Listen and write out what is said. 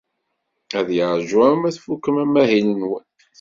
Ad yeṛju arma tfukem amahil-nwen.